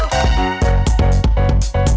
terima kasih ya